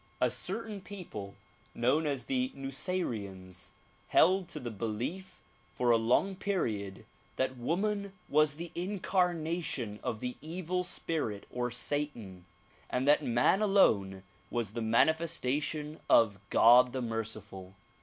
A certain people known as the Nuseyrians held to the belief for a long period that woman was the incarnation of the evil spirit or satan, and that man alone was the manifestation of God the merciful.